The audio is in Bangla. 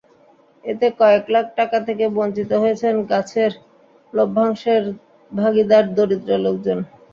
এতে কয়েক লাখ টাকা থেকে বঞ্চিত হয়েছেন গাছের লভ্যাংশের ভাগিদার দরিদ্র লোকজন।